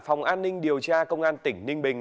phòng an ninh điều tra công an tỉnh ninh bình